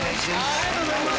ありがとうございます。